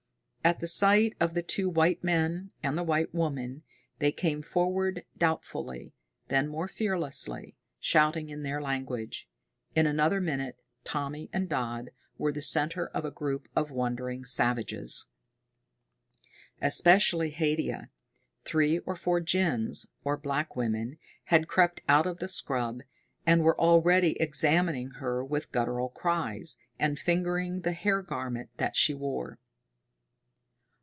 At the sight of the two white men, and the white woman, they came forward doubtfully, then more fearlessly, shouting in their language. In another minute Tommy and Dodd were the center of a group of wondering savages. Especially Haidia. Three or four gins, or black women, had crept out of the scrub, and were already examining her with guttural cries, and fingering the hair garment that she wore.